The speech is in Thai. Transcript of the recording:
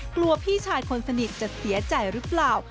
กลัวพี่ชายคนสนิทจะเสียใจรึเปล่า